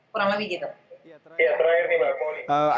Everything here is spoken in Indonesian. kurang lebih gitu